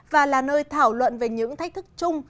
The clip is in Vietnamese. và là nơi thảo luận về những thách thức chung